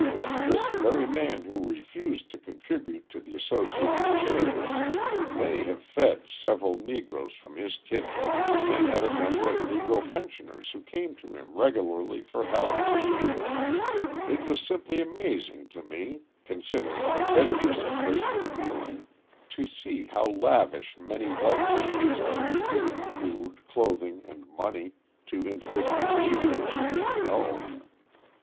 This very man who refused to contribute to the associated charities, may have fed several Negroes from his kitchen and had a number of Negro pensioners who came to him regularly for help. It was simply amazing to me, considering the bitterness of racial feeling, to see how lavish many white families are in giving food, clothing, and money to individual Negroes whom they know.